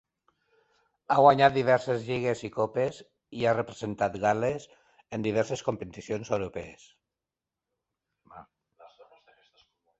Ha guanyat diverses lligues i copes, i ha representat Gal·les en diverses competicions europees.